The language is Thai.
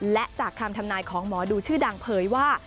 และจากคำทำนายของหมอดูชื่อดังเผยว่า